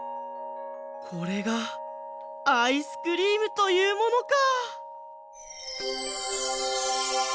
これがアイスクリームというものか！